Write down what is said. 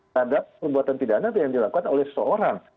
terhadap perbuatan pidana yang dilakukan oleh seseorang